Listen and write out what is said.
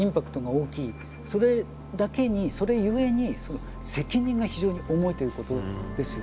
それだけにそれゆえに責任が非常に重いということですよね。